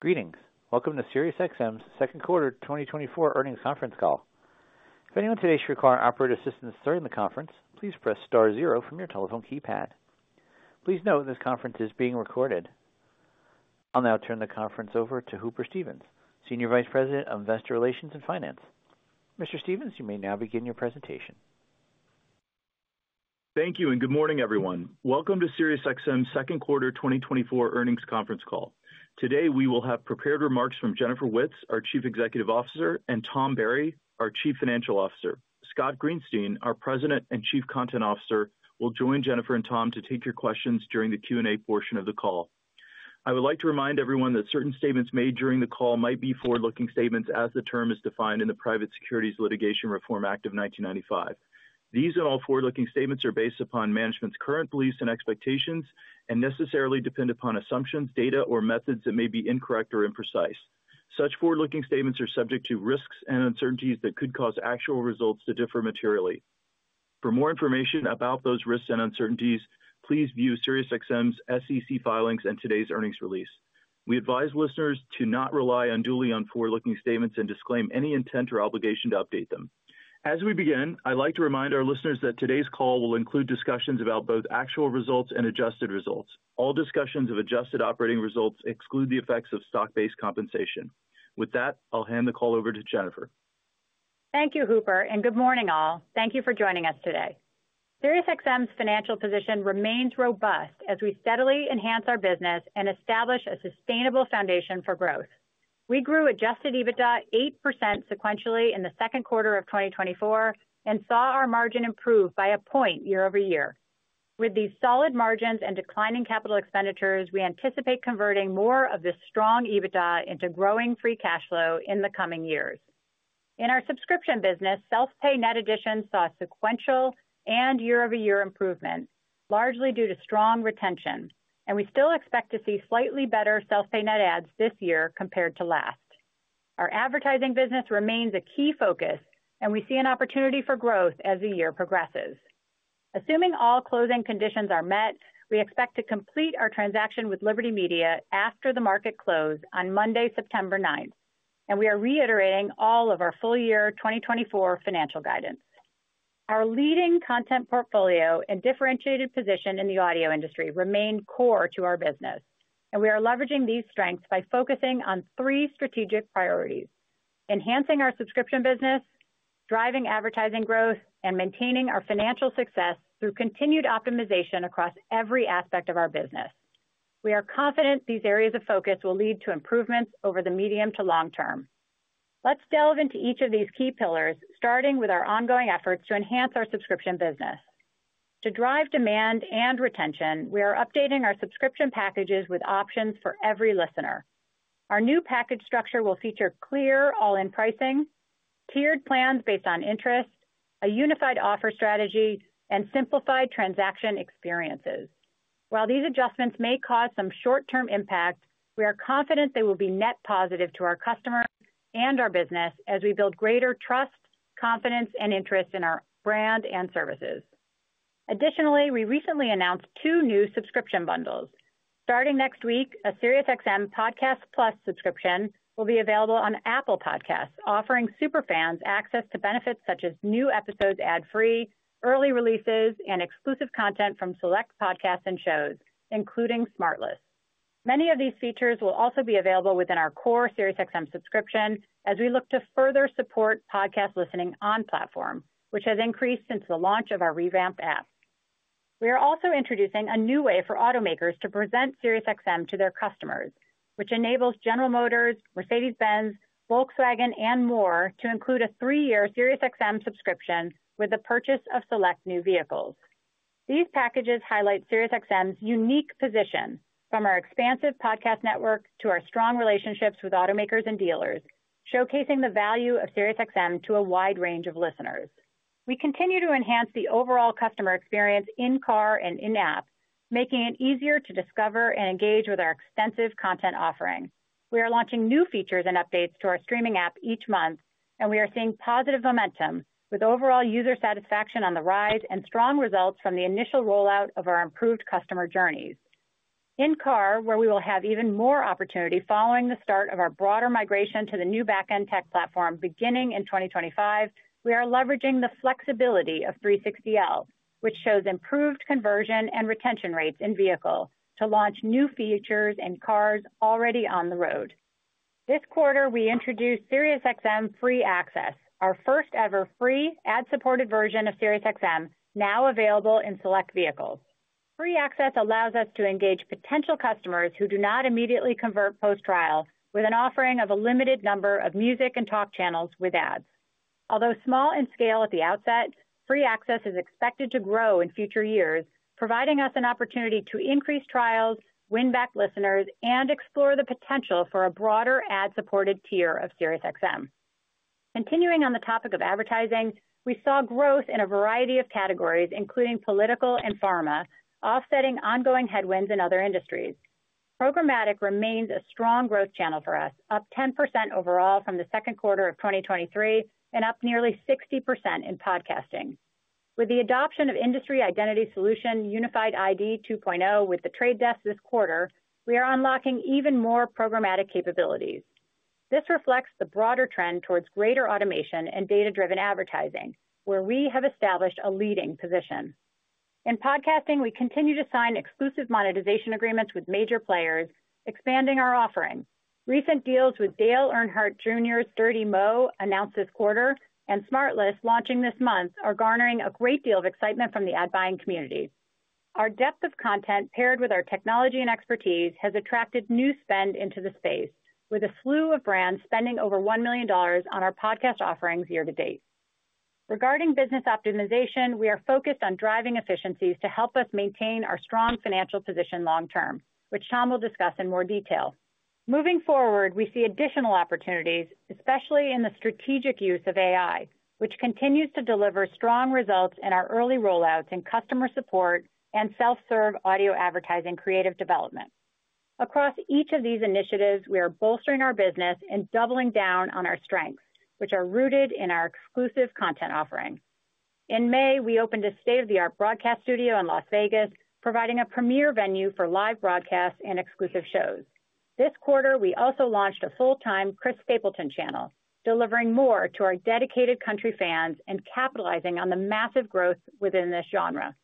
Greetings! Welcome to SiriusXM's second quarter 2024 earnings conference call. If anyone today should require operator assistance during the conference, please press star zero from your telephone keypad. Please note, this conference is being recorded. I'll now turn the conference over to Hooper Stevens, Senior Vice President of Investor Relations and Finance. Mr. Stevens, you may now begin your presentation. Thank you, and good morning, everyone. Welcome to SiriusXM's second quarter 2024 earnings conference call. Today, we will have prepared remarks from Jennifer Witz, our Chief Executive Officer, and Tom Barry, our Chief Financial Officer. Scott Greenstein, our President and Chief Content Officer, will join Jennifer and Tom to take your questions during the Q&A portion of the call. I would like to remind everyone that certain statements made during the call might be forward-looking statements, as the term is defined in the Private Securities Litigation Reform Act of 1995. These and all forward-looking statements are based upon management's current beliefs and expectations and necessarily depend upon assumptions, data, or methods that may be incorrect or imprecise. Such forward-looking statements are subject to risks and uncertainties that could cause actual results to differ materially. For more information about those risks and uncertainties, please view SiriusXM's SEC filings and today's earnings release. We advise listeners to not rely unduly on forward-looking statements and disclaim any intent or obligation to update them. As we begin, I'd like to remind our listeners that today's call will include discussions about both actual results and adjusted results. All discussions of adjusted operating results exclude the effects of stock-based compensation. With that, I'll hand the call over to Jennifer. Thank you, Hooper, and good morning, all. Thank you for joining us today. SiriusXM's financial position remains robust as we steadily enhance our business and establish a sustainable foundation for growth. We grew Adjusted EBITDA 8% sequentially in the second quarter of 2024 and saw our margin improve by a point year-over-year. With these solid margins and declining capital expenditures, we anticipate converting more of this strong EBITDA into growing free cash flow in the coming years. In our subscription business, self-pay net additions saw sequential and year-over-year improvement, largely due to strong retention, and we still expect to see slightly better self-pay net adds this year compared to last. Our advertising business remains a key focus, and we see an opportunity for growth as the year progresses. Assuming all closing conditions are met, we expect to complete our transaction with Liberty Media after the market close on Monday, September 9th, and we are reiterating all of our full-year 2024 financial guidance. Our leading content portfolio and differentiated position in the audio industry remain core to our business, and we are leveraging these strengths by focusing on three strategic priorities: enhancing our subscription business, driving advertising growth, and maintaining our financial success through continued optimization across every aspect of our business. We are confident these areas of focus will lead to improvements over the medium to long term. Let's delve into each of these key pillars, starting with our ongoing efforts to enhance our subscription business. To drive demand and retention, we are updating our subscription packages with options for every listener. Our new package structure will feature clear all-in pricing, tiered plans based on interest, a unified offer strategy, and simplified transaction experiences. While these adjustments may cause some short-term impact, we are confident they will be net positive to our customers and our business as we build greater trust, confidence, and interest in our brand and services. Additionally, we recently announced two new subscription bundles. Starting next week, a SiriusXM Podcast Plus subscription will be available on Apple Podcasts, offering super fans access to benefits such as new episodes ad-free, early releases, and exclusive content from select podcasts and shows, including SmartLess. Many of these features will also be available within our core SiriusXM subscription as we look to further support podcast listening on platform, which has increased since the launch of our revamped app. We are also introducing a new way for automakers to present SiriusXM to their customers, which enables General Motors, Mercedes-Benz, Volkswagen, and more to include a three-year SiriusXM subscription with the purchase of select new vehicles. These packages highlight SiriusXM's unique position, from our expansive podcast network to our strong relationships with automakers and dealers, showcasing the value of SiriusXM to a wide range of listeners. We continue to enhance the overall customer experience in-car and in-app, making it easier to discover and engage with our extensive content offering. We are launching new features and updates to our streaming app each month, and we are seeing positive momentum with overall user satisfaction on the rise and strong results from the initial rollout of our improved customer journeys. In-car, where we will have even more opportunity following the start of our broader migration to the new back-end tech platform beginning in 2025, we are leveraging the flexibility of 360L, which shows improved conversion and retention rates in vehicle to launch new features and cars already on the road. This quarter, we introduced SiriusXM Free Access, our first ever free ad-supported version of SiriusXM, now available in select vehicles. Free Access allows us to engage potential customers who do not immediately convert post-trial with an offering of a limited number of music and talk channels with ads. Although small in scale at the outset, Free Access is expected to grow in future years, providing us an opportunity to increase trials, win back listeners, and explore the potential for a broader ad-supported tier of SiriusXM. Continuing on the topic of advertising, we saw growth in a variety of categories, including political and pharma, offsetting ongoing headwinds in other industries. Programmatic remains a strong growth channel for us, up 10% overall from the second quarter of 2023 and up nearly 60% in podcasting.... With the adoption of industry identity solution, Unified ID 2.0, with The Trade Desk this quarter, we are unlocking even more programmatic capabilities. This reflects the broader trend towards greater automation and data-driven advertising, where we have established a leading position. In podcasting, we continue to sign exclusive monetization agreements with major players, expanding our offering. Recent deals with Dale Earnhardt Jr.'s Dirty Mo announced this quarter, and SmartLess, launching this month, are garnering a great deal of excitement from the ad-buying community. Our depth of content, paired with our technology and expertise, has attracted new spend into the space, with a slew of brands spending over $1 million on our podcast offerings year-to-date. Regarding business optimization, we are focused on driving efficiencies to help us maintain our strong financial position long term, which Tom will discuss in more detail. Moving forward, we see additional opportunities, especially in the strategic use of AI, which continues to deliver strong results in our early rollouts in customer support and self-serve audio advertising creative development. Across each of these initiatives, we are bolstering our business and doubling down on our strengths, which are rooted in our exclusive content offering. In May, we opened a state-of-the-art broadcast studio in Las Vegas, providing a premier venue for live broadcasts and exclusive shows. This quarter, we also launched a full-time Chris Stapleton channel, delivering more to our dedicated country fans and capitalizing on the massive growth within this genre.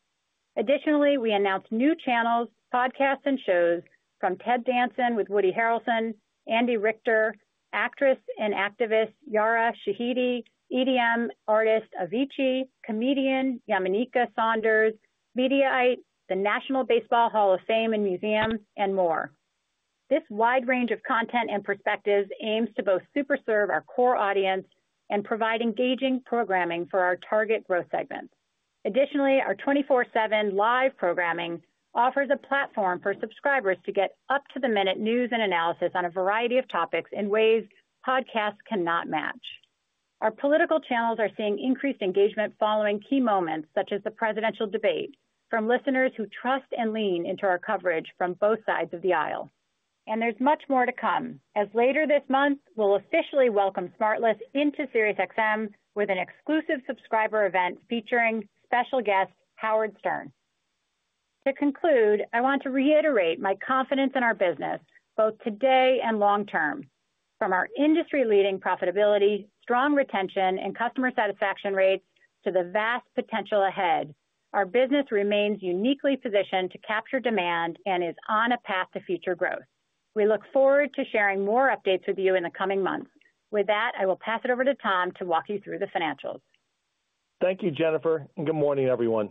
Additionally, we announced new channels, podcasts, and shows from Ted Danson with Woody Harrelson, Andy Richter, actress and activist Yara Shahidi, EDM artist Avicii, comedian Yamaneika Saunders, Mediaite, the National Baseball Hall of Fame and Museum, and more. This wide range of content and perspectives aims to both super serve our core audience and provide engaging programming for our target growth segments. Additionally, our 24/7 live programming offers a platform for subscribers to get up-to-the-minute news and analysis on a variety of topics in ways podcasts cannot match. Our political channels are seeing increased engagement following key moments, such as the presidential debate, from listeners who trust and lean into our coverage from both sides of the aisle. And there's much more to come, as later this month, we'll officially welcome SmartLess into SiriusXM with an exclusive subscriber event featuring special guest Howard Stern. To conclude, I want to reiterate my confidence in our business, both today and long term. From our industry-leading profitability, strong retention, and customer satisfaction rates to the vast potential ahead, our business remains uniquely positioned to capture demand and is on a path to future growth. We look forward to sharing more updates with you in the coming months. With that, I will pass it over to Tom to walk you through the financials. Thank you, Jennifer, and good morning, everyone.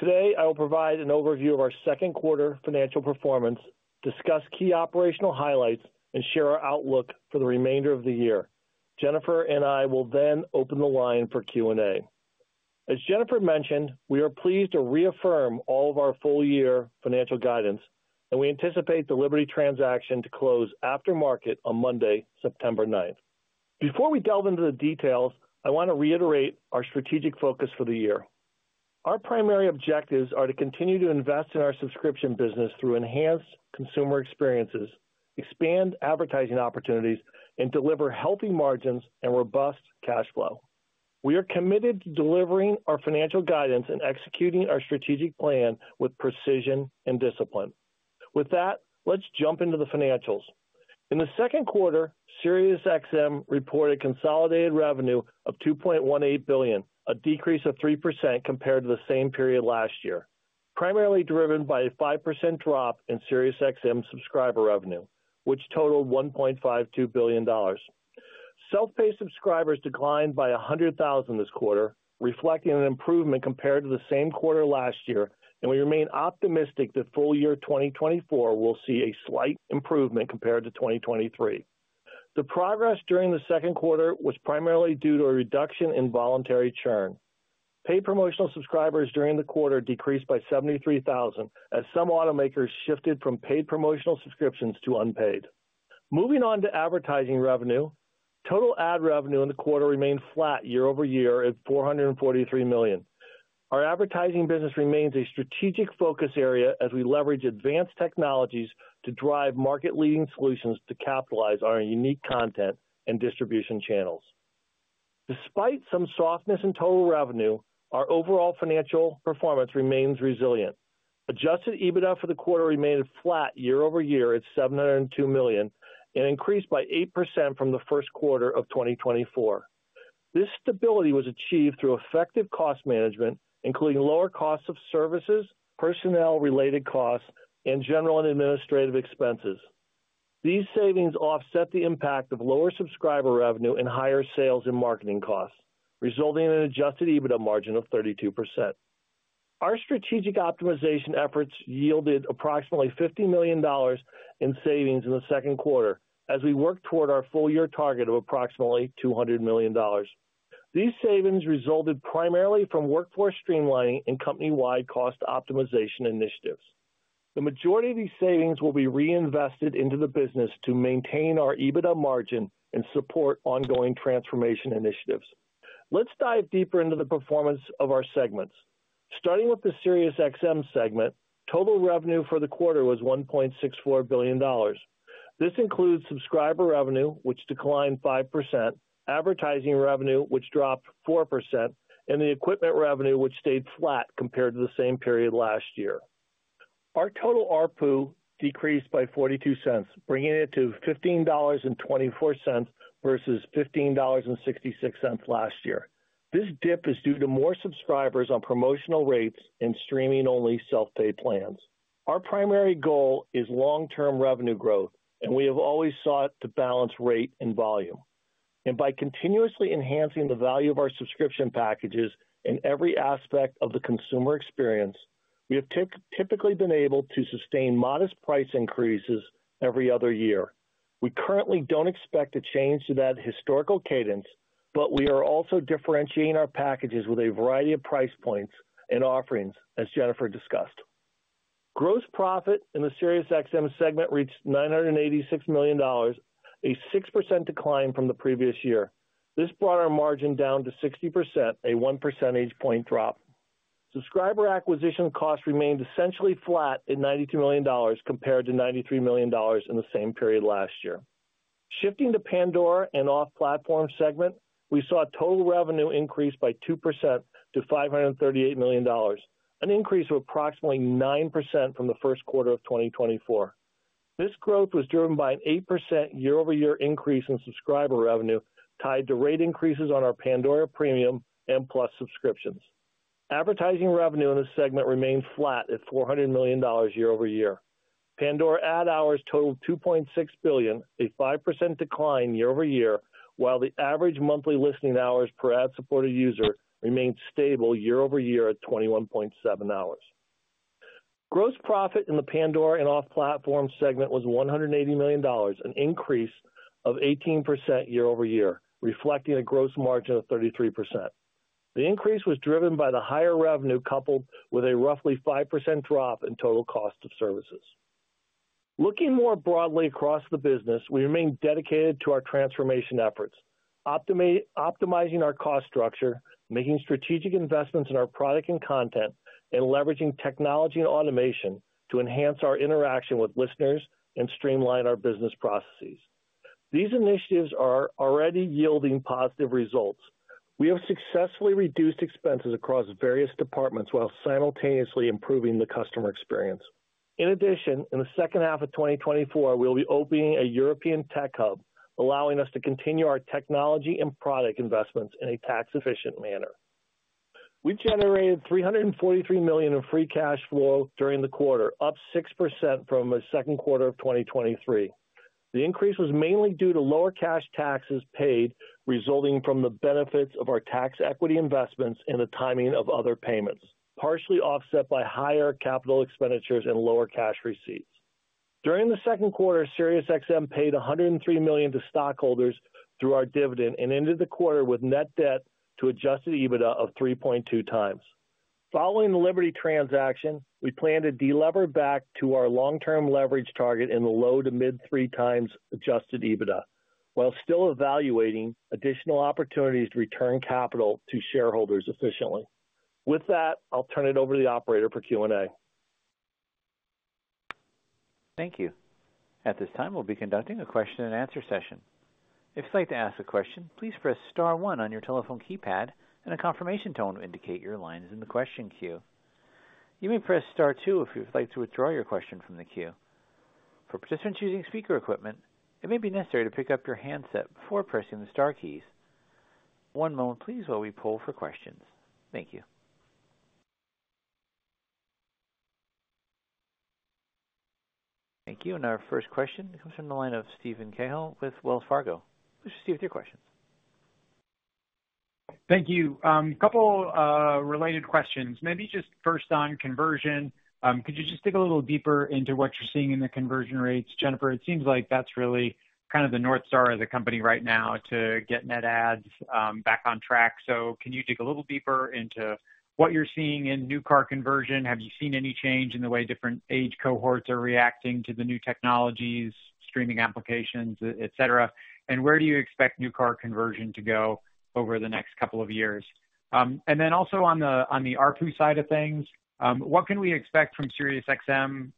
Today, I will provide an overview of our second quarter financial performance, discuss key operational highlights, and share our outlook for the remainder of the year. Jennifer and I will then open the line for Q&A. As Jennifer mentioned, we are pleased to reaffirm all of our full-year financial guidance, and we anticipate the Liberty transaction to close after market on Monday, September ninth. Before we delve into the details, I want to reiterate our strategic focus for the year. Our primary objectives are to continue to invest in our subscription business through enhanced consumer experiences, expand advertising opportunities, and deliver healthy margins and robust cash flow. We are committed to delivering our financial guidance and executing our strategic plan with precision and discipline. With that, let's jump into the financials. In the second quarter, SiriusXM reported consolidated revenue of $2.18 billion, a decrease of 3% compared to the same period last year, primarily driven by a 5% drop in SiriusXM subscriber revenue, which totaled $1.52 billion. Self-pay subscribers declined by 100,000 this quarter, reflecting an improvement compared to the same quarter last year, and we remain optimistic that full-year 2024 will see a slight improvement compared to 2023. The progress during the second quarter was primarily due to a reduction in voluntary churn. Paid promotional subscribers during the quarter decreased by 73,000, as some automakers shifted from paid promotional subscriptions to unpaid. Moving on to advertising revenue. Total ad revenue in the quarter remained flat year-over-year at $443 million. Our advertising business remains a strategic focus area as we leverage advanced technologies to drive market-leading solutions to capitalize on our unique content and distribution channels. Despite some softness in total revenue, our overall financial performance remains resilient. Adjusted EBITDA for the quarter remained flat year-over-year at $702 million and increased by 8% from the first quarter of 2024. This stability was achieved through effective cost management, including lower costs of services, personnel-related costs, and general and administrative expenses. These savings offset the impact of lower subscriber revenue and higher sales and marketing costs, resulting in an Adjusted EBITDA margin of 32%. Our strategic optimization efforts yielded approximately $50 million in savings in the second quarter as we work toward our full-year target of approximately $200 million. These savings resulted primarily from workforce streamlining and company-wide cost optimization initiatives. The majority of these savings will be reinvested into the business to maintain our EBITDA margin and support ongoing transformation initiatives. Let's dive deeper into the performance of our segments… Starting with the SiriusXM segment, total revenue for the quarter was $1.64 billion. This includes subscriber revenue, which declined 5%, advertising revenue, which dropped 4%, and the equipment revenue, which stayed flat compared to the same period last year. Our total ARPU decreased by $0.42, bringing it to $15.24, versus $15.66 last year. This dip is due to more subscribers on promotional rates and streaming-only self-paid plans. Our primary goal is long-term revenue growth, and we have always sought to balance rate and volume. And by continuously enhancing the value of our subscription packages in every aspect of the consumer experience, we have typically been able to sustain modest price increases every other year. We currently don't expect a change to that historical cadence, but we are also differentiating our packages with a variety of price points and offerings, as Jennifer discussed. Gross profit in the SiriusXM segment reached $986 million, a 6% decline from the previous year. This brought our margin down to 60%, a 1 percentage point drop. Subscriber acquisition costs remained essentially flat at $92 million compared to $93 million in the same period last year. Shifting to Pandora and off-platform segment, we saw total revenue increase by 2% to $538 million, an increase of approximately 9% from the first quarter of 2024. This growth was driven by an 8% year-over-year increase in subscriber revenue, tied to rate increases on our Pandora Premium and Plus subscriptions. Advertising revenue in this segment remained flat at $400 million year-over-year. Pandora ad hours totaled 2.6 billion, a 5% decline year-over-year, while the average monthly listening hours per ad-supported user remained stable year-over-year at 21.7 hours. Gross profit in the Pandora and off-platform segment was $180 million, an increase of 18% year-over-year, reflecting a gross margin of 33%. The increase was driven by the higher revenue, coupled with a roughly 5% drop in total cost of services. Looking more broadly across the business, we remain dedicated to our transformation efforts, optimizing our cost structure, making strategic investments in our product and content, and leveraging technology and automation to enhance our interaction with listeners and streamline our business processes. These initiatives are already yielding positive results. We have successfully reduced expenses across various departments while simultaneously improving the customer experience. In addition, in the second half of 2024, we'll be opening a European tech hub, allowing us to continue our technology and product investments in a tax-efficient manner. We generated $343 million in free cash flow during the quarter, up 6% from the second quarter of 2023. The increase was mainly due to lower cash taxes paid, resulting from the benefits of our tax equity investments and the timing of other payments, partially offset by higher capital expenditures and lower cash receipts. During the second quarter, SiriusXM paid $103 million to stockholders through our dividend and ended the quarter with net debt to Adjusted EBITDA of 3.2x. Following the Liberty transaction, we plan to delever back to our long-term leverage target in the low- to mid-3x Adjusted EBITDA, while still evaluating additional opportunities to return capital to shareholders efficiently. With that, I'll turn it over to the operator for Q&A. Thank you. At this time, we'll be conducting a question-and-answer session. If you'd like to ask a question, please press star one on your telephone keypad, and a confirmation tone will indicate your line is in the question queue. You may press star two if you'd like to withdraw your question from the queue. For participants using speaker equipment, it may be necessary to pick up your handset before pressing the star keys. One moment please, while we pull for questions. Thank you. Thank you, and our first question comes from the line of Steven Cahall with Wells Fargo. Steven, your questions. Thank you. A couple related questions. Maybe just first on conversion. Could you just dig a little deeper into what you're seeing in the conversion rates? Jennifer, it seems like that's really kind of the North Star of the company right now to get net ads back on track. So can you dig a little deeper into what you're seeing in new car conversion? Have you seen any change in the way different age cohorts are reacting to the new technologies, streaming applications, et cetera? And where do you expect new car conversion to go over the next couple of years? And then also on the ARPU side of things, what can we expect from SiriusXM,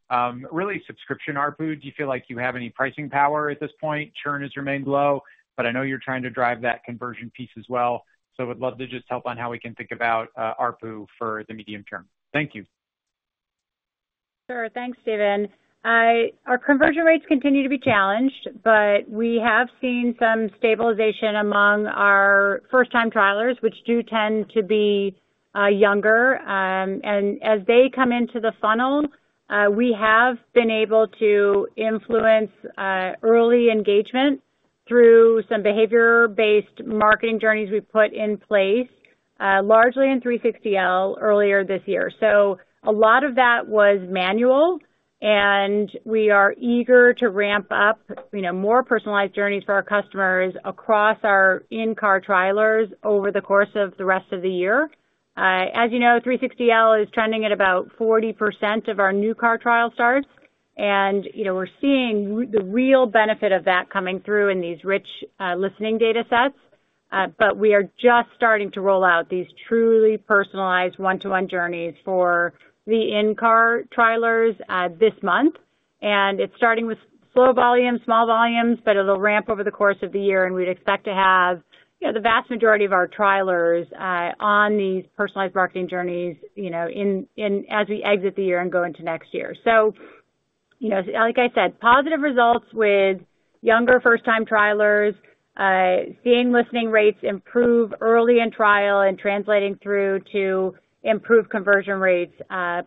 really, subscription ARPU? Do you feel like you have any pricing power at this point? Churn has remained low, but I know you're trying to drive that conversion piece as well. So would love to just help on how we can think about ARPU for the medium term. Thank you. Sure. Thanks, Steven. Our conversion rates continue to be challenged, but we have seen some stabilization among our first-time trialers, which do tend to be younger. And as they come into the funnel, we have been able to influence early engagement through some behavior-based marketing journeys we've put in place, largely in 360L earlier this year. So a lot of that was manual, and we are eager to ramp up, you know, more personalized journeys for our customers across our in-car trialers over the course of the rest of the year. As you know, 360L is trending at about 40% of our new car trial starts, and, you know, we're seeing the real benefit of that coming through in these rich listening data sets.... But we are just starting to roll out these truly personalized one-to-one journeys for the in-car trialers this month. And it's starting with slow volume, small volumes, but it'll ramp over the course of the year, and we'd expect to have, you know, the vast majority of our trialers on these personalized marketing journeys, you know, in as we exit the year and go into next year. So, you know, like I said, positive results with younger first time trialers seeing listening rates improve early in trial and translating through to improved conversion rates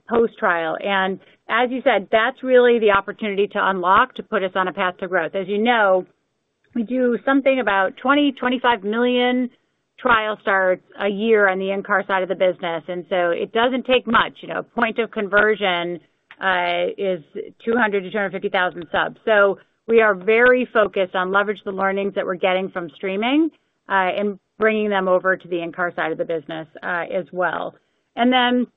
post-trial. And as you said, that's really the opportunity to unlock, to put us on a path to growth. As you know, we do something about 20-25 million trial starts a year on the in-car side of the business, and so it doesn't take much. You know, a point of conversion is 200,000-250,000 subs. So we are very focused on leverage the learnings that we're getting from streaming, and bringing them over to the in-car side of the business, as well. And then,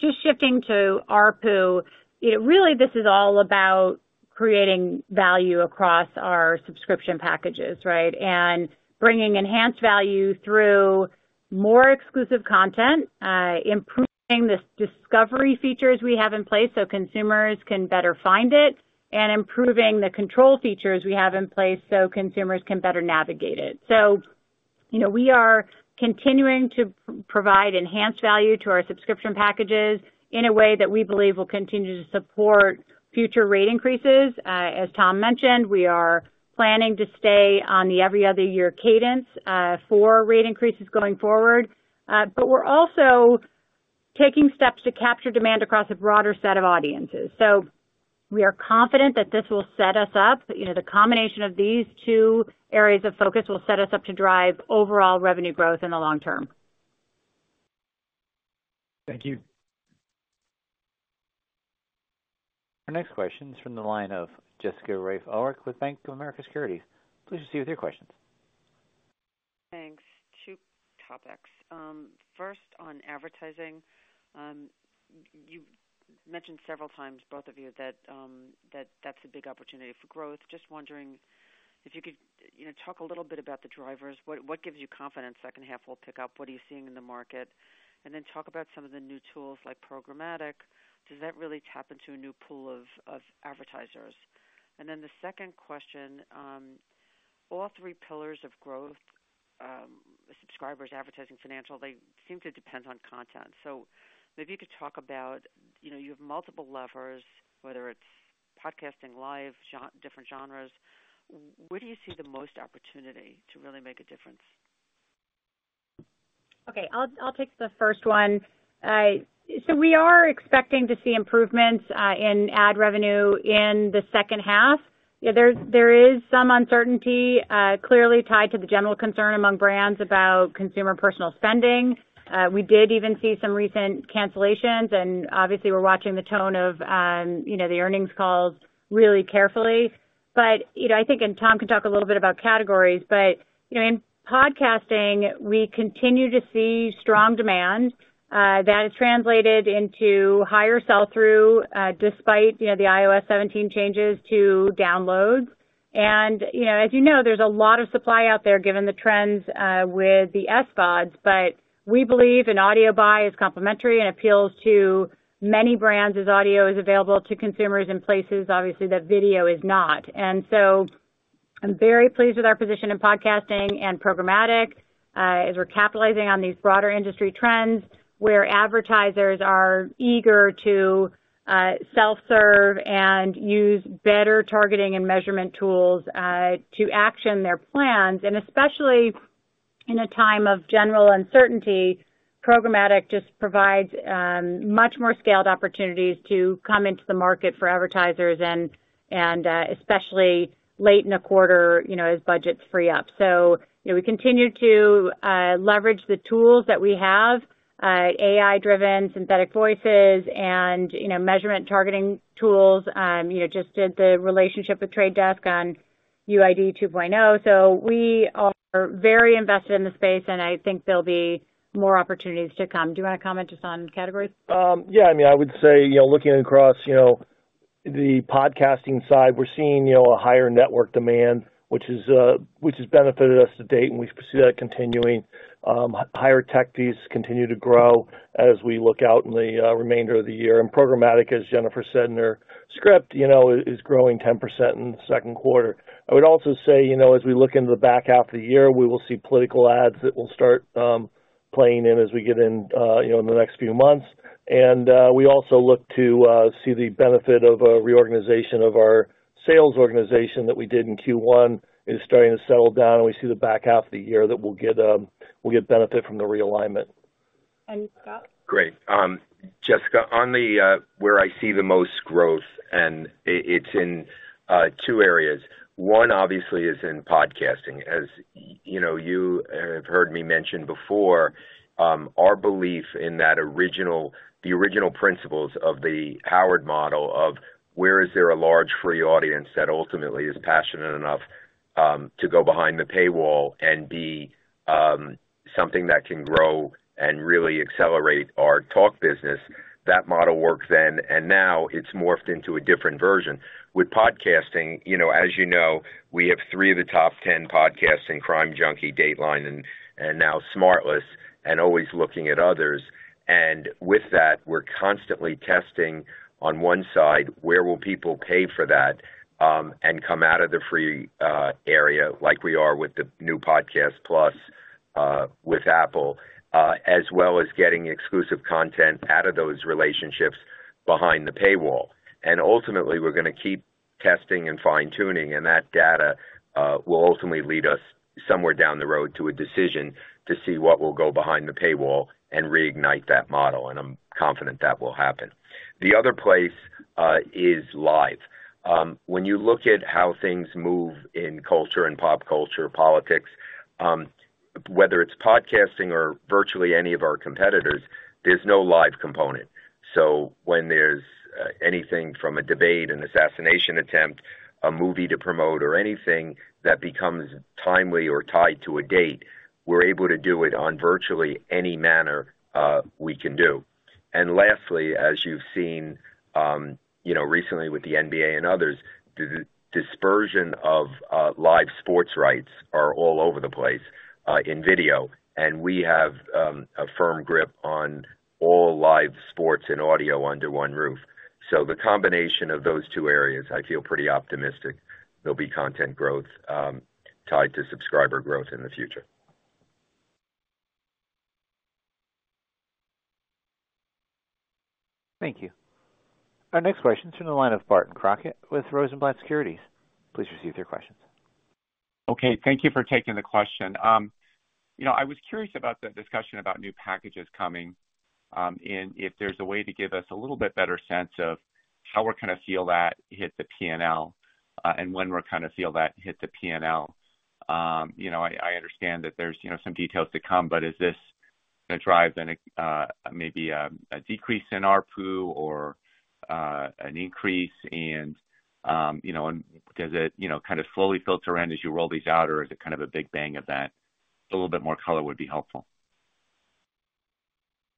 just shifting to ARPU, really, this is all about creating value across our subscription packages, right? And bringing enhanced value through more exclusive content, improving the discovery features we have in place so consumers can better find it, and improving the control features we have in place so consumers can better navigate it. So, you know, we are continuing to provide enhanced value to our subscription packages in a way that we believe will continue to support future rate increases. As Tom mentioned, we are planning to stay on the every other year cadence for rate increases going forward. but we're also taking steps to capture demand across a broader set of audiences. So we are confident that this will set us up. You know, the combination of these two areas of focus will set us up to drive overall revenue growth in the long term. Thank you. Our next question is from the line of Jessica Reif Ehrlich with Bank of America Securities. Please proceed with your questions. Thanks. Two topics. First, on advertising. You mentioned several times, both of you, that that's a big opportunity for growth. Just wondering if you could, you know, talk a little bit about the drivers. What gives you confidence second half will pick up? What are you seeing in the market? And then talk about some of the new tools like programmatic. Does that really tap into a new pool of advertisers? And then the second question, all three pillars of growth, subscribers, advertising, financial, they seem to depend on content. So if you could talk about, you know, you have multiple levers, whether it's podcasting, live, different genres, where do you see the most opportunity to really make a difference? Okay, I'll take the first one. So we are expecting to see improvements in ad revenue in the second half. There is some uncertainty clearly tied to the general concern among brands about consumer personal spending. We did even see some recent cancellations, and obviously we're watching the tone of, you know, the earnings calls really carefully. But, you know, I think, and Tom can talk a little bit about categories, but, you know, in podcasting, we continue to see strong demand that is translated into higher sell-through despite, you know, the iOS 17 changes to downloads. And you know, as you know, there's a lot of supply out there, given the trends with the SVODs. But we believe an audio buy is complementary and appeals to many brands, as audio is available to consumers in places, obviously, that video is not. And so I'm very pleased with our position in podcasting and programmatic, as we're capitalizing on these broader industry trends, where advertisers are eager to self-serve and use better targeting and measurement tools to action their plans. And especially in a time of general uncertainty, programmatic just provides much more scaled opportunities to come into the market for advertisers and, especially late in a quarter, you know, as budgets free up. So, you know, we continue to leverage the tools that we have, AI-driven, synthetic voices and, you know, measurement targeting tools. You know, just did the relationship with Trade Desk on UID 2.0. So we are very invested in the space, and I think there'll be more opportunities to come. Do you want to comment just on categories? Yeah, I mean, I would say, you know, looking across, you know, the podcasting side, we're seeing, you know, a higher network demand, which has benefited us to date, and we see that continuing. Higher tech fees continue to grow as we look out in the remainder of the year. And programmatic, as Jennifer said in her script, you know, is growing 10% in the second quarter. I would also say, you know, as we look into the back half of the year, we will see political ads that will start playing in as we get in, you know, in the next few months. We also look to see the benefit of a reorganization of our sales organization that we did in Q1 is starting to settle down, and we see the back half of the year that we'll get benefit from the realignment. And Scott? Great. Jessica, on where I see the most growth, and it's in two areas. One, obviously, is in podcasting. As you know, you have heard me mention before, our belief in the original principles of the Howard model of where is there a large free audience that ultimately is passionate enough to go behind the paywall and be something that can grow and really accelerate our talk business? That model worked then, and now it's morphed into a different version. With podcasting, you know, as you know, we have three of the top ten podcasts in Crime Junkie, Dateline and now SmartLess, and always looking at others. With that, we're constantly testing on one side, where will people pay for that, and come out of the free area like we are with the new Podcast Plus with Apple, as well as getting exclusive content out of those relationships behind the paywall. Ultimately, we're gonna keep testing and fine-tuning, and that data will ultimately lead us somewhere down the road to a decision to see what will go behind the paywall and reignite that model, and I'm confident that will happen. The other place is live. When you look at how things move in culture and pop culture, politics, whether it's podcasting or virtually any of our competitors, there's no live component. So when there's anything from a debate, an assassination attempt, a movie to promote, or anything that becomes timely or tied to a date, we're able to do it on virtually any manner we can do. And lastly, as you've seen, you know, recently with the NBA and others, the dispersion of live sports rights are all over the place in video. And we have a firm grip on all live sports and audio under one roof. So the combination of those two areas, I feel pretty optimistic there'll be content growth tied to subscriber growth in the future. Thank you. Our next question is from the line of Barton Crockett with Rosenblatt Securities. Please proceed with your questions. Okay, thank you for taking the question. You know, I was curious about the discussion about new packages coming, and if there's a way to give us a little bit better sense of how we're gonna feel that hit the P&L, and when we're gonna feel that hit the P&L. You know, I understand that there's, you know, some details to come, but is this gonna drive a maybe a decrease in ARPU or an increase and, you know, and does it, you know, kind of slowly filter in as you roll these out, or is it kind of a big bang event? A little bit more color would be helpful.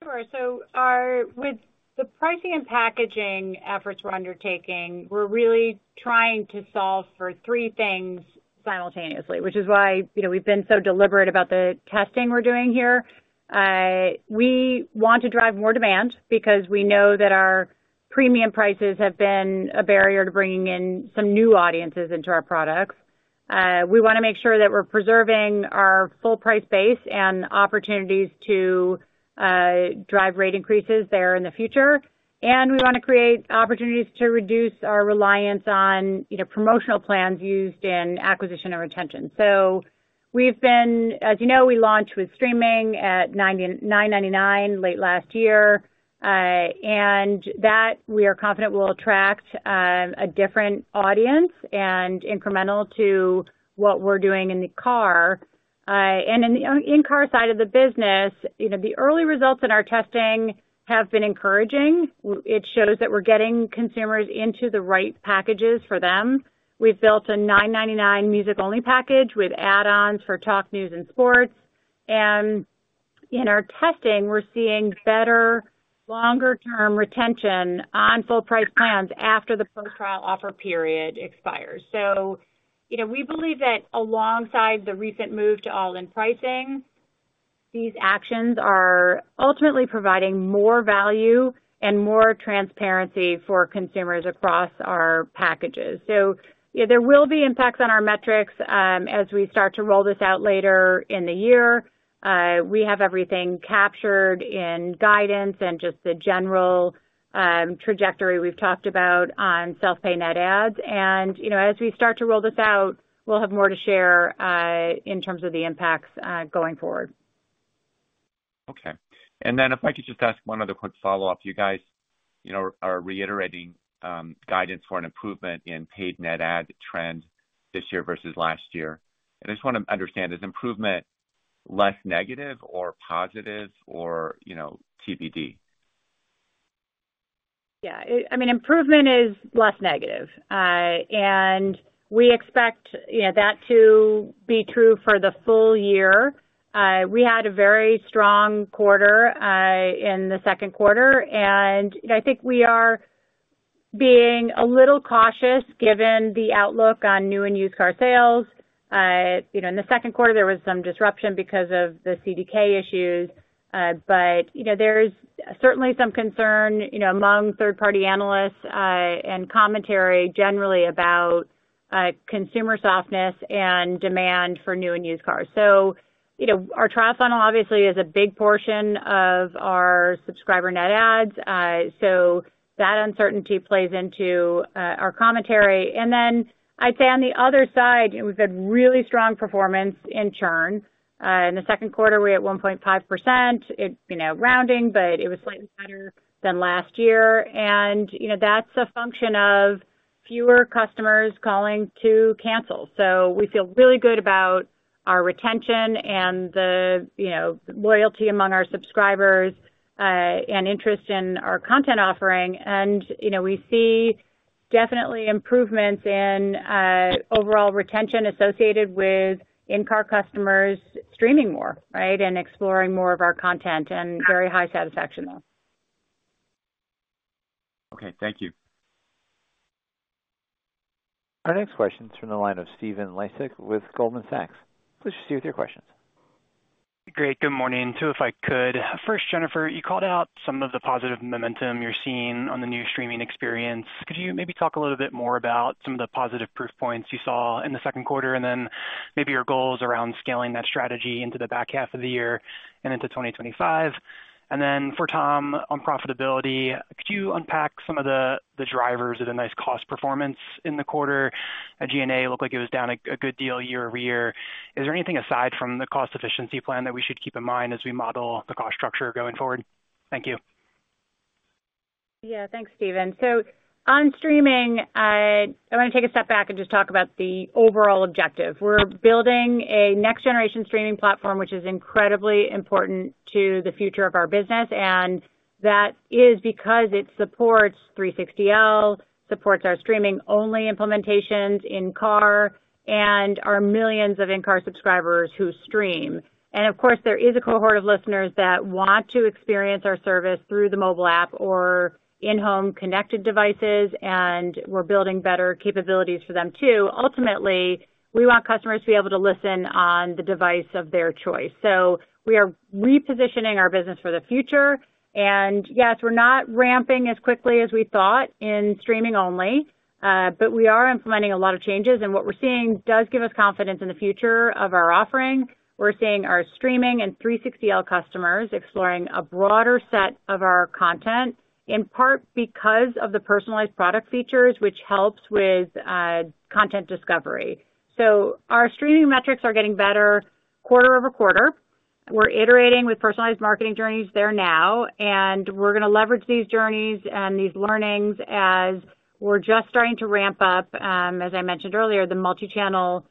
Sure. So with the pricing and packaging efforts we're undertaking, we're really trying to solve for three things simultaneously, which is why, you know, we've been so deliberate about the testing we're doing here. We want to drive more demand because we know that our premium prices have been a barrier to bringing in some new audiences into our products. We want to make sure that we're preserving our full price base and opportunities to drive rate increases there in the future. And we want to create opportunities to reduce our reliance on, you know, promotional plans used in acquisition and retention. So we've been. As you know, we launched with streaming at $9.99 late last year. And that we are confident will attract a different audience and incremental to what we're doing in the car. And in the in-car side of the business, you know, the early results in our testing have been encouraging. It shows that we're getting consumers into the right packages for them. We've built a $9.99 music-only package with add-ons for talk, news, and sports. And in our testing, we're seeing better, longer-term retention on full price plans after the post-trial offer period expires. So, you know, we believe that alongside the recent move to all-in pricing, these actions are ultimately providing more value and more transparency for consumers across our packages. So, yeah, there will be impacts on our metrics, as we start to roll this out later in the year. We have everything captured in guidance and just the general trajectory we've talked about on self-pay net adds. You know, as we start to roll this out, we'll have more to share, in terms of the impacts, going forward. Okay. And then if I could just ask one other quick follow-up. You guys, you know, are reiterating guidance for an improvement in paid net ad trends this year versus last year. I just want to understand, is improvement less negative or positive or, you know, TBD? Yeah, I mean, improvement is less negative. And we expect, you know, that to be true for the full-year. We had a very strong quarter in the second quarter, and I think we are being a little cautious given the outlook on new and used car sales. You know, in the second quarter, there was some disruption because of the CDK issues. But, you know, there's certainly some concern, you know, among third-party analysts and commentary generally about consumer softness and demand for new and used cars. So, you know, our trial funnel obviously is a big portion of our subscriber net ads, so that uncertainty plays into our commentary. And then I'd say on the other side, we've had really strong performance in churn. In the second quarter, we're at 1.5%. It's, you know, rounding, but it was slightly better than last year, and, you know, that's a function of fewer customers calling to cancel. So we feel really good about our retention and the, you know, loyalty among our subscribers, and interest in our content offering. And, you know, we see definitely improvements in, overall retention associated with in-car customers streaming more, right? And exploring more of our content, and very high satisfaction, though. Okay, thank you. Our next question is from the line of Stephen Laszczyk with Goldman Sachs. Please proceed with your questions. ... Great. Good morning. Two, if I could. First, Jennifer, you called out some of the positive momentum you're seeing on the new streaming experience. Could you maybe talk a little bit more about some of the positive proof points you saw in the second quarter, and then maybe your goals around scaling that strategy into the back half of the year and into 2025? And then for Tom, on profitability, could you unpack some of the drivers of the nice cost performance in the quarter? At G&A, it looked like it was down a good deal year-over-year. Is there anything aside from the cost efficiency plan that we should keep in mind as we model the cost structure going forward? Thank you. Yeah. Thanks, Stephen. So on streaming, I want to take a step back and just talk about the overall objective. We're building a next-generation streaming platform, which is incredibly important to the future of our business, and that is because it supports 360L, supports our streaming-only implementations in car and our millions of in-car subscribers who stream. And of course, there is a cohort of listeners that want to experience our service through the mobile app or in-home connected devices, and we're building better capabilities for them, too. Ultimately, we want customers to be able to listen on the device of their choice. So we are repositioning our business for the future. Yes, we're not ramping as quickly as we thought in streaming only, but we are implementing a lot of changes, and what we're seeing does give us confidence in the future of our offering. We're seeing our streaming and 360L customers exploring a broader set of our content, in part because of the personalized product features, which helps with content discovery. So our streaming metrics are getting better quarter-over-quarter. We're iterating with personalized marketing journeys there now, and we're going to leverage these journeys and these learnings as we're just starting to ramp up, as I mentioned earlier, the multichannel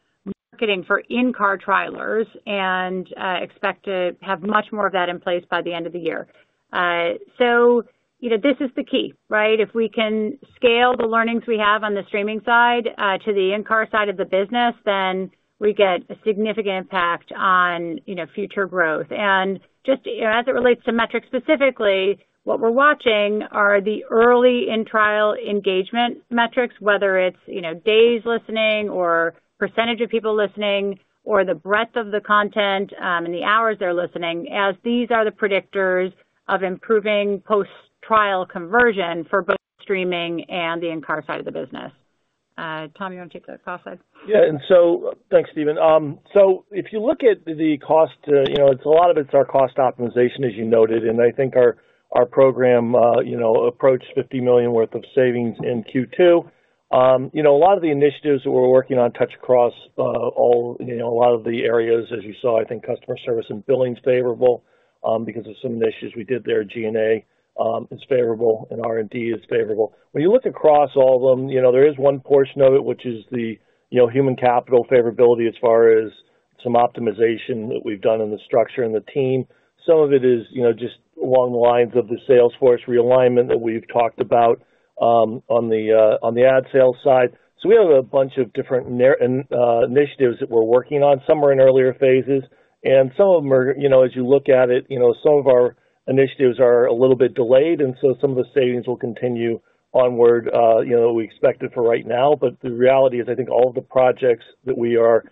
marketing for in-car trialers and expect to have much more of that in place by the end of the year. So you know, this is the key, right? If we can scale the learnings we have on the streaming side to the in-car side of the business, then we get a significant impact on, you know, future growth. Just, as it relates to metrics, specifically, what we're watching are the early in-trial engagement metrics, whether it's, you know, days listening or percentage of people listening or the breadth of the content and the hours they're listening, as these are the predictors of improving post-trial conversion for both streaming and the in-car side of the business. Tom, you want to take the cost side? Yeah, and so thanks, Stephen. So if you look at the cost, you know, it's a lot of it's our cost optimization, as you noted, and I think our program, you know, approached $50 million worth of savings in Q2. You know, a lot of the initiatives that we're working on touch across all, you know, a lot of the areas as you saw, I think, customer service and billing's favorable, because of some of the initiatives we did there. G&A is favorable, and R&D is favorable. When you look across all of them, you know, there is one portion of it, which is the, you know, human capital favorability as far as some optimization that we've done in the structure and the team. Some of it is, you know, just along the lines of the sales force realignment that we've talked about on the ad sales side. So we have a bunch of different initiatives that we're working on. Some are in earlier phases, and some of them are, you know, as you look at it, you know, some of our initiatives are a little bit delayed, and so some of the savings will continue onward, you know, we expect it for right now. But the reality is, I think all of the projects that we are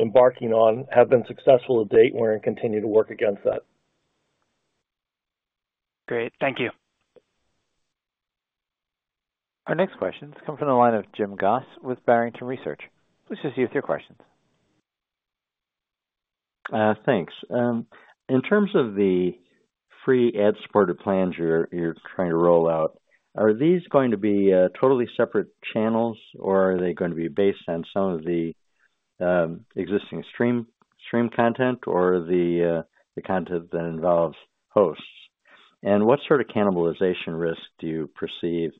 embarking on have been successful to date, and we're going to continue to work against that. Great. Thank you. Our next question comes from the line of Jim Goss with Barrington Research. This is you with your questions. Thanks. In terms of the free ad-supported plans you're trying to roll out, are these going to be totally separate channels, or are they going to be based on some of the existing stream content or the content that involves hosts? And what sort of cannibalization risk do you perceive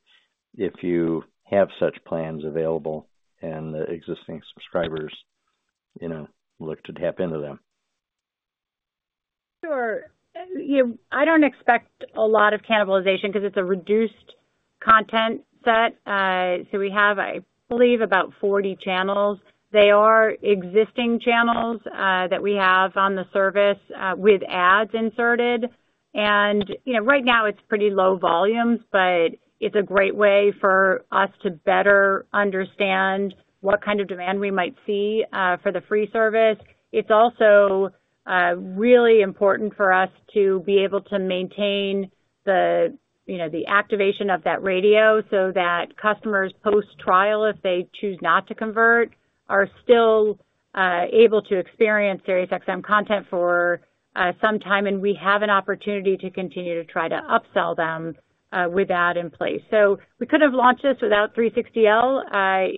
if you have such plans available and the existing subscribers, you know, look to tap into them? Sure. You know, I don't expect a lot of cannibalization because it's a reduced content set. So we have, I believe, about 40 channels. They are existing channels that we have on the service with ads inserted. And you know, right now it's pretty low volumes, but it's a great way for us to better understand what kind of demand we might see for the free service. It's also really important for us to be able to maintain the, you know, the activation of that radio so that customers, post-trial, if they choose not to convert, are still able to experience SiriusXM content for some time, and we have an opportunity to continue to try to upsell them with that in place. So we could have launched this without 360L.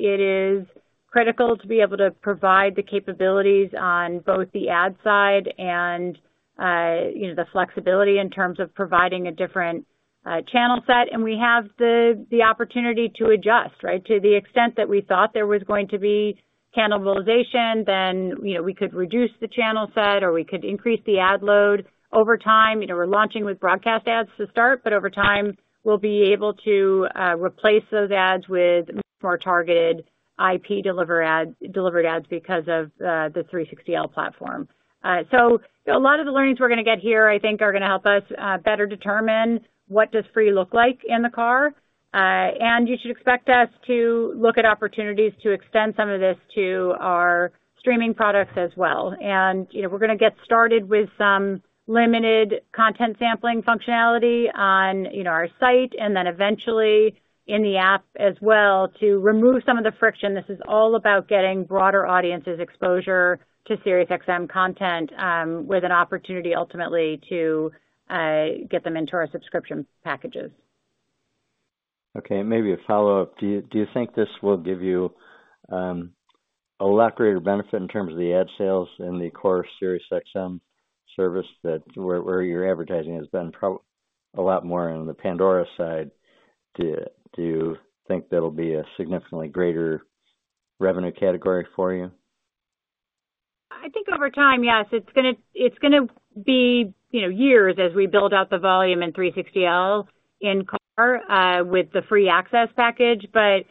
It is critical to be able to provide the capabilities on both the ad side and, you know, the flexibility in terms of providing a different channel set, and we have the opportunity to adjust, right? To the extent that we thought there was going to be cannibalization, then, you know, we could reduce the channel set or we could increase the ad load over time. You know, we're launching with broadcast ads to start, but over time, we'll be able to replace those ads with more targeted IP-delivered ads because of the 360L platform. So a lot of the learnings we're going to get here, I think are going to help us better determine what does free look like in the car. And you should expect us to look at opportunities to extend some of this to our streaming products as well. And you know, we're going to get started with some limited content sampling functionality on, you know, our site and then eventually in the app as well, to remove some of the friction. This is all about getting broader audiences exposure to SiriusXM content, with an opportunity ultimately to get them into our subscription packages.... Okay, and maybe a follow-up. Do you, do you think this will give you a lot greater benefit in terms of the ad sales in the core SiriusXM service, that where, where your advertising has been pro-- a lot more on the Pandora side? Do you, do you think that'll be a significantly greater revenue category for you? I think over time, yes, it's gonna, it's gonna be, you know, years as we build out the volume in 360L in car, with the free access package. But,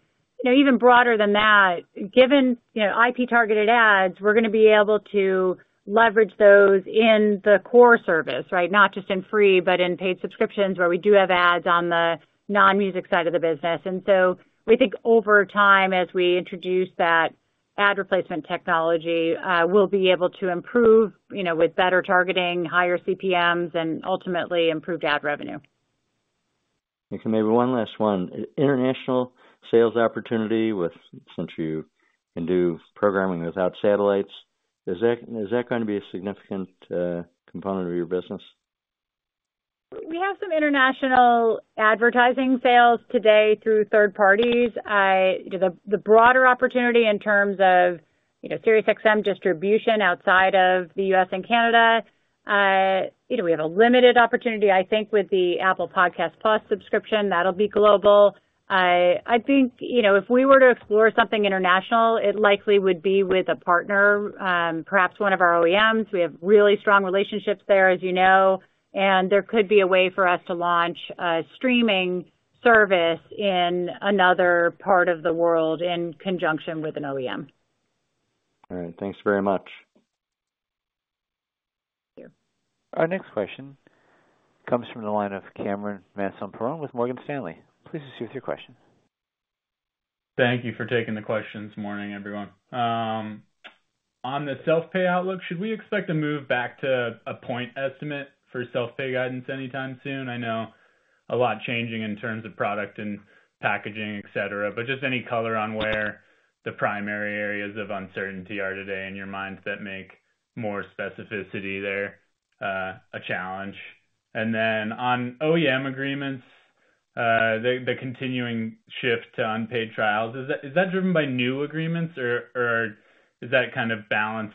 you know, even broader than that, given, you know, IP-targeted ads, we're gonna be able to leverage those in the core service, right? Not just in free, but in paid subscriptions, where we do have ads on the non-music side of the business. And so we think over time, as we introduce that ad replacement technology, we'll be able to improve, you know, with better targeting, higher CPMs and ultimately improved ad revenue. Okay, maybe one last one. International sales opportunity with, since you can do programming without satellites, is that, is that going to be a significant component of your business? We have some international advertising sales today through third parties. The broader opportunity in terms of, you know, SiriusXM distribution outside of the U.S. and Canada, you know, we have a limited opportunity, I think, with the SiriusXM Podcast Plus subscription, that'll be global. I think, you know, if we were to explore something international, it likely would be with a partner, perhaps one of our OEMs. We have really strong relationships there, as you know, and there could be a way for us to launch a streaming service in another part of the world in conjunction with an OEM. All right. Thanks very much. Thank you. Our next question comes from the line of Cameron Mansson-Perrone with Morgan Stanley. Please proceed with your question. Thank you for taking the questions this morning, everyone. On the self-pay outlook, should we expect to move back to a point estimate for self-pay guidance anytime soon? I know a lot changing in terms of product and packaging, et cetera, but just any color on where the primary areas of uncertainty are today in your minds that make more specificity there a challenge? And then on OEM agreements, the continuing shift to unpaid trials, is that driven by new agreements or is that kind of balance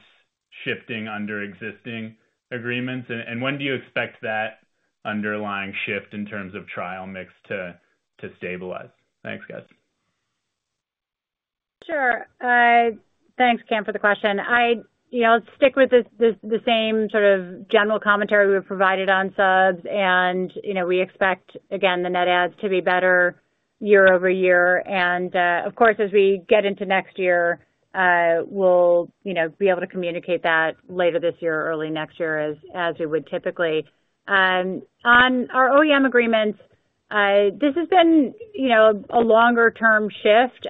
shifting under existing agreements? And when do you expect that underlying shift in terms of trial mix to stabilize? Thanks, guys. Sure. Thanks, Cam, for the question. I, you know, stick with the same sort of general commentary we've provided on subs, and, you know, we expect, again, the net adds to be better year-over-year. And, of course, as we get into next year, we'll, you know, be able to communicate that later this year or early next year as we would typically. On our OEM agreements, this has been, you know, a longer-term shift.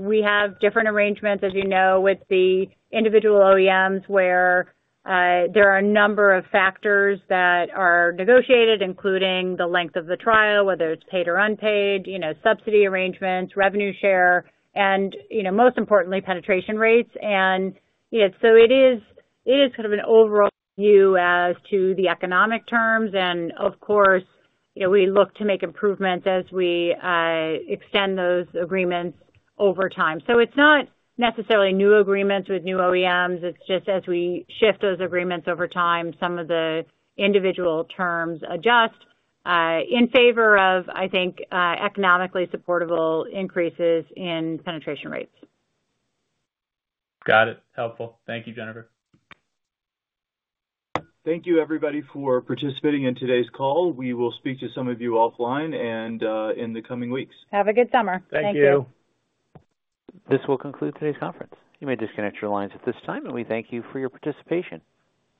We have different arrangements, as you know, with the individual OEMs, where there are a number of factors that are negotiated, including the length of the trial, whether it's paid or unpaid, you know, subsidy arrangements, revenue share, and, you know, most importantly, penetration rates. And, yeah, so it is sort of an overall view as to the economic terms. And of course, you know, we look to make improvements as we extend those agreements over time. So it's not necessarily new agreements with new OEMs. It's just as we shift those agreements over time, some of the individual terms adjust in favor of, I think, economically supportable increases in penetration rates. Got it. Helpful. Thank you, Jennifer. Thank you, everybody, for participating in today's call. We will speak to some of you offline and in the coming weeks. Have a good summer. Thank you. Thank you. This will conclude today's conference. You may disconnect your lines at this time, and we thank you for your participation.